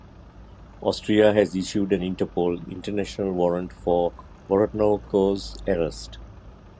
Austria has issued an Interpol (international) warrant for Vorotnikov’s arrest.